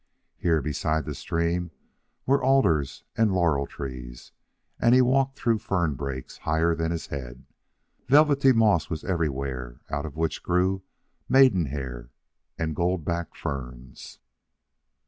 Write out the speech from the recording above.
Here, beside the stream, were alders and laurel trees, and he walked through fern brakes higher than his head. Velvety moss was everywhere, out of which grew maiden hair and gold back ferns.